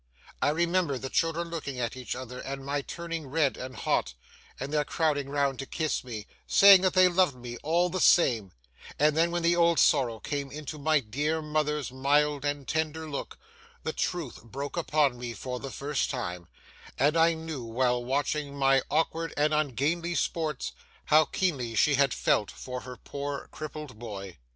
I remember the children looking at each other, and my turning red and hot, and their crowding round to kiss me, saying that they loved me all the same; and then, and when the old sorrow came into my dear mother's mild and tender look, the truth broke upon me for the first time, and I knew, while watching my awkward and ungainly sports, how keenly she had felt for her poor crippled boy.